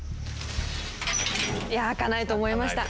いや開かないと思いました。